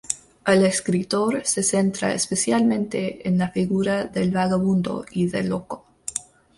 El escritor se centra especialmente en la figura del vagabundo y del loco.